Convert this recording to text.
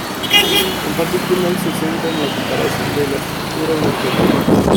En particular, se centra en la comparación de la estructura de proteínas.